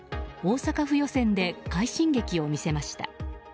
大阪府予選で快進撃を見せました。